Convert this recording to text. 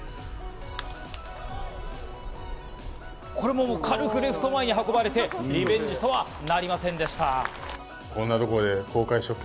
これも軽くレフト前に運ばれて、リベンジとはなりませんでした。